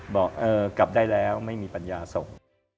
บอกเออกลับได้แล้วไม่มีปัญญาส่ง